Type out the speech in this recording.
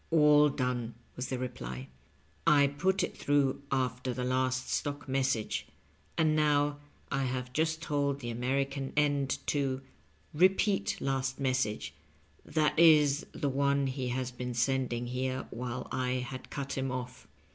"All done," was the reply; " I put it through after the last stock message, and now I have just told the Ameri can end to * repeat last message' — ^that is, the one he has been sending here while I had cut him off.